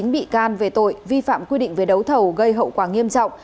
chín bị can về tội vi phạm quy định về đấu thầu gây hậu quả nghiêm trọng